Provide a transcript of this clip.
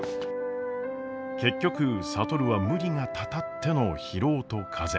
結局智は無理がたたっての疲労と風邪。